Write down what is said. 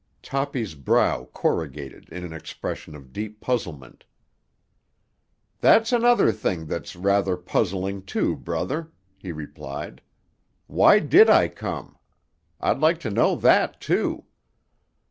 Toppy's brow corrugated in an expression of deep puzzlement. "That's another thing that's rather puzzling, too, brother," he replied. "Why did I come? I'd like to know that, too.